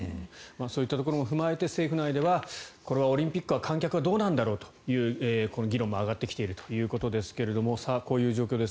そういったところも踏まえて政府内ではこれはオリンピックは観客はどうなんだろうというこの議論も上がってきているということですがこういう状況です。